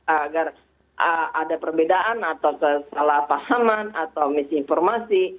agar ada perbedaan atau salah pahaman atau misinformasi